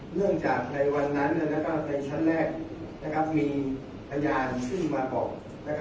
เรื่องจากในวันนั้นในชั้นแรกมีพยานซึ่งมาบอก